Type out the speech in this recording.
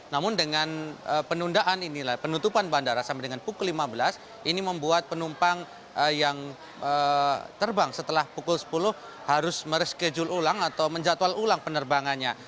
namun dengan penundaan inilah penutupan bandara sampai dengan pukul lima belas ini membuat penumpang yang terbang setelah pukul sepuluh harus mereschedule ulang atau menjatual ulang penerbangannya